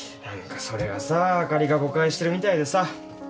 何かそれがさあかりが誤解してるみたいでさ。